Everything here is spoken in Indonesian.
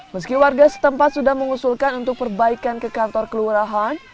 meski warga setempat sudah mengusulkan untuk perbaikan ke kantor kelurahan